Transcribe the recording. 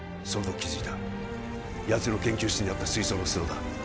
その時気づいたやつの研究室にあった水槽の砂だ